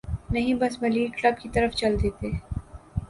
نہیں بس ملیر کلب کی طرف چل دیتے۔